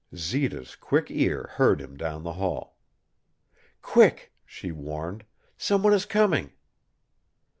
Zita's quick ear heard him down the hall. "Quick!" she warned. "Some one is coming!"